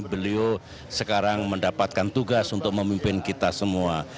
beliau sekarang mendapatkan tugas untuk memimpin kita semua